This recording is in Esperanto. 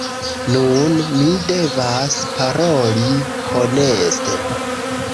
Nun, mi devas paroli honeste: